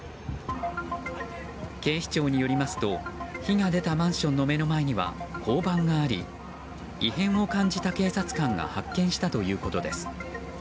警視庁によりますと火が出たマンションの目の前には交番があり異変を感じた警察官が発見したということです。